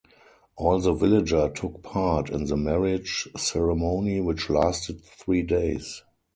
All the villager took part in the marriage ceremony, which lasted three days.